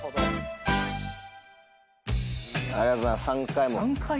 ３回も。